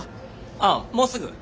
あっもうすぐ。